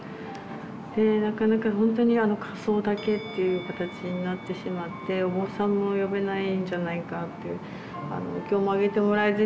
でなかなかほんとに火葬だけっていう形になってしまってお坊さんも呼べないんじゃないかってお経も上げてもらえずに